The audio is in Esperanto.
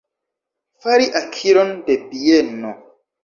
Fari akiron de bieno.